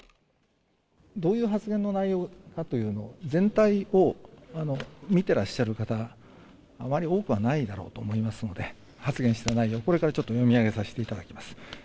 どういう発言の内容かというのを、全体を見てらっしゃる方、あまり多くはないだろうと思いますので、発言した内容、これからちょっと読み上げさせていただきます。